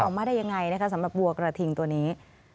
ออกมาได้อย่างไรสำหรับวัวกระทิงตัวนี้